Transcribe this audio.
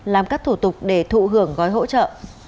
làm các thủ tục để thụ hưởng gói hỗ trợ